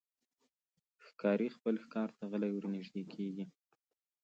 ښکاري خپل ښکار ته غلی ورنژدې کېږي.